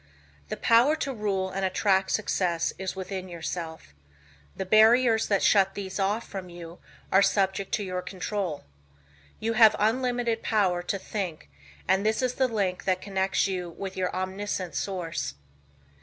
The power to rule and attract success is within yourself. The barriers that shut these off from you are subject to your control. You have unlimited power to think and this is the link that connects you with your omniscient source.